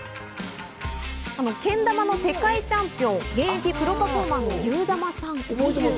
けん玉の世界チャンピオン、現役プロパフォーマーのゆーだまさん。